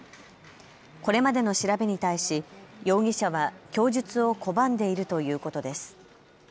これまでの調べに対し容疑者は供述を拒んでいるということです。